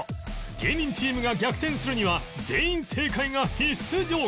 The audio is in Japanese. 芸人チームが逆転するには全員正解が必須条件